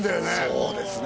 そうですね